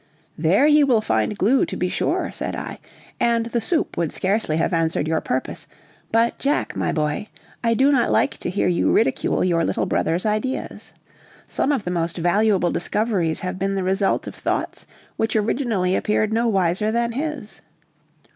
"There he will find glue, to be sure," said I, "and the soup would scarcely have answered your purpose. But Jack, my boy, I do not like to hear you ridicule your little brother's ideas. Some of the most valuable discoveries have been the result of thoughts which originally appeared no wiser than his."